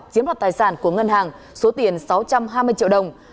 chiếm đoạt tài sản của ngân hàng số tiền sáu trăm hai mươi triệu đồng